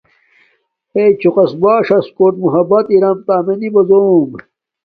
ہݵ چوقس باݽݽ کوٹ محبت ارم تہ امیے نبوزوم،